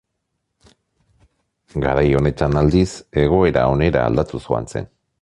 Garai honetan, aldiz, egoera onera aldatuz joan zen.